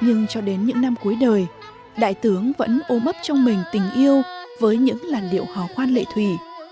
nhưng cho đến những năm cuối đời đại tướng vẫn ô mấp trong mình tình yêu với những làn điệu hò khoan lệ thủy